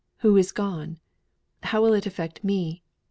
Who is gone? How will it affect me?"